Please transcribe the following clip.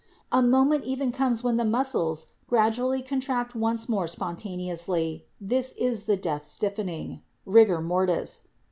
A moment even comes when the mus cles gradually contract once more spontaneously, this is the death stiffening (rigor mortis).